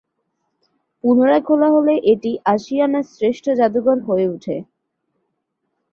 পুনরায় খোলা হলে, এটি আসিয়ান এ শ্রেষ্ঠ জাদুঘর হয়ে ওঠে।